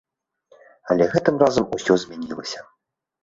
Але гэтым разам усё змянілася.